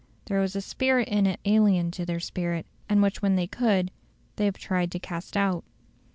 There was a spirit in it alien to their spirit, and which when they could they have tried to cast out.